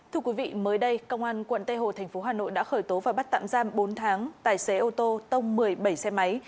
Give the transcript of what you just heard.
thưa quý vị mới đây công an tp hà nội đã khởi tố và bắt tạm giam bốn tháng tài xế ô tô tông một mươi bảy xe máy